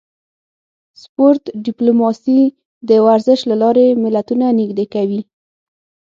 سپورت ډیپلوماسي د ورزش له لارې ملتونه نږدې کوي